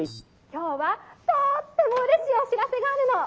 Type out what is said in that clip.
「今日はとってもうれしいお知らせがあるの！